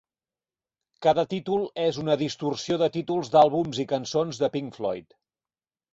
Cada títol és una distorsió de títols d'àlbums i cançons de Pink Floyd.